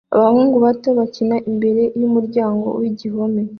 Abahungu bato bakina imbere yumuryango wigihome